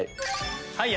はい！